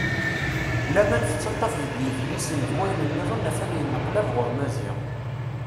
Laman tettaf deg yidlisen d wayen-nniḍen a-t-an yenneqlab ɣur Maziɣ.